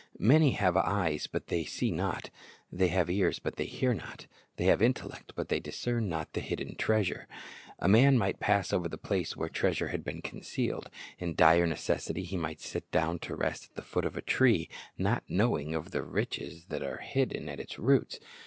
Many have eyes, but they see not; they have ears, but they hear not; they have intellect, but they discern not the hidden treasure. A man might pass over the place where treasure had been concealed. In dire necessity he might sit down to rest at the foot of a tree, not knowing of the riches hidden Hidden Treasure 1 05 at its roots.